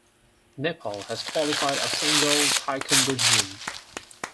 Nepal has qualified a single taekwondo jin.